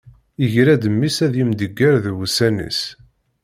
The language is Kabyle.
Yegra-d mmi-s ad yemdegger d wussan-is.